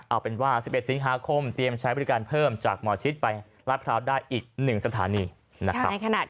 เอาเป็นว่า๑๑สิงหาคมเตรียมใช้บริการเพิ่มจากหมอชิดไปลาดพร้าวได้อีก๑สถานีนะครับ